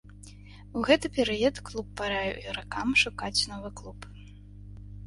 У гэты перыяд клуб параіў ігракам шукаць новы клуб.